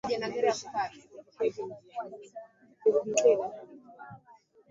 Inafasili uboreshaji wa usafi wa mazingira